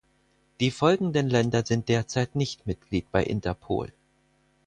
Die folgenden Länder sind derzeit nicht Mitglied bei Interpol.